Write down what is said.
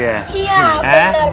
iya benar pak sok